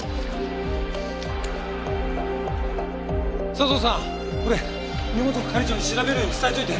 佐相さんこれ根本係長に調べるように伝えておいて！